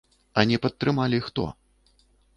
А не падтрымалі хто?